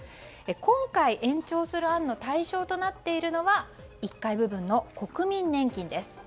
今回延長する案の対象となっているのは１階部分の国民年金です。